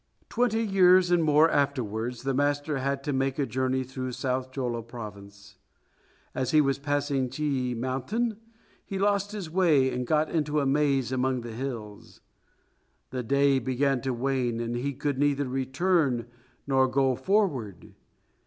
Twenty years and more afterwards the master had to make a journey through South Chulla Province. As he was passing Chi i Mountain, he lost his way and got into a maze among the hills. The day began to wane, and he could neither return nor go forward.